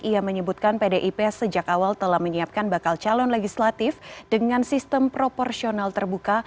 ia menyebutkan pdip sejak awal telah menyiapkan bakal calon legislatif dengan sistem proporsional terbuka